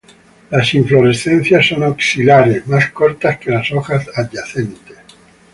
Las inflorescencias son axilares, más cortas que las hojas adyacentes.